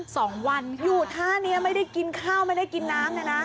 สองวันอยู่ท่านี้ไม่ได้กินข้าวไม่ได้กินน้ำเนี่ยนะ